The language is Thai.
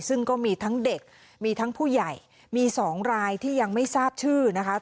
ซึ่งก็มีทั้งเด็กมีทั้งผู้ใหญ่มี๒รายที่ยังไม่ทราบชื่อนะคะ